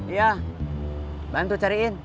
iya bantu cariin